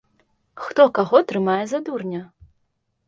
Хто каго трымае за дурня?